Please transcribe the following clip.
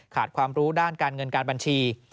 ความรู้ด้านการเงินการบัญชี